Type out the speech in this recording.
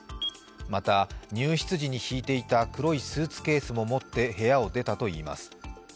また、入室時に引いていた黒いスーツケースも持って部屋を出たといいます。